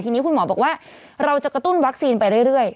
ทีนี้คุณหมอบอกว่าเราจะกระตุ้นวัคซีนไปเรื่อย